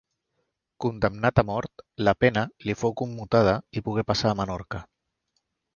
Condemnat a mort, la pena li fou commutada i pogué passar a Menorca.